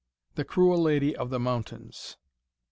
THE CRUEL LADY OF THE MOUNTAINS.